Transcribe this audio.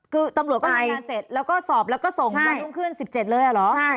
คือตำรวจก็ทำงานเสร็จแล้วก็สอบแล้วก็ส่งใช่วันต้องขึ้นสิบเจ็ดเลยอ่ะหรอใช่